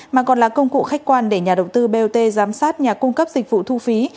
mà còn là công cụ khách quan để nhà đầu tư bot giám sát nhà cung cấp dịch vụ thu phí